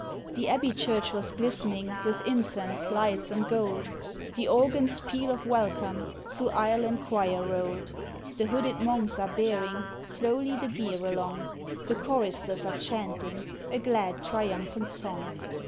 The Abbey Church was glistening With incense, lights, and gold, The organ's peal of welcome, Through aisle and choir rolled. The hooded Monks are bearing Slowly the bier along, The choristers are chanting A glad triumphant song.